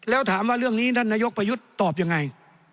แล้วถามว่าเรื่องนี้ท่านนายกประยุทธ์ตอบยังไง